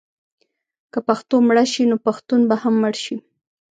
که پښتو مړه شي نو پښتون به هم مړ شي.